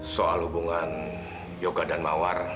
soal hubungan yoga dan mawar